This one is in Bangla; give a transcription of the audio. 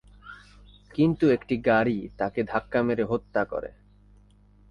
কিন্তু একটি গাড়ি তাকে ধাক্কা মেরে হত্যা করে।